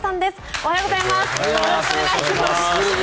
おはようございます。